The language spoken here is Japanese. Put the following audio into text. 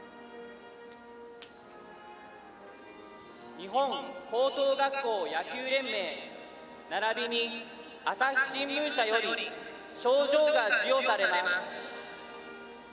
日本高等学校野球連盟ならびに朝日新聞社より賞状が授与されます。